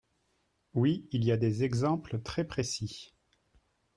Oui, il y a des exemples très précis.